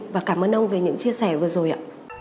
và cảm ơn ông về những chia sẻ vừa rồi ạ